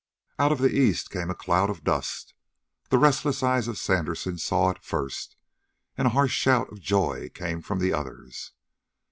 Out of the east came a cloud of dust. The restless eye of Sandersen saw it first, and a harsh shout of joy came from the others.